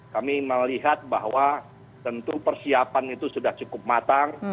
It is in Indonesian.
kami melihat bahwa tentu persiapan itu sudah cukup matang